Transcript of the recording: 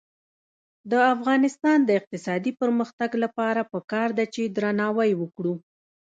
د افغانستان د اقتصادي پرمختګ لپاره پکار ده چې درناوی وکړو.